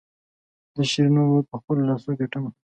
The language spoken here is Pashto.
د شیرینو ولور په خپلو لاسو ګټمه.